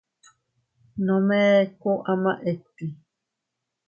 Nome eku ama iti.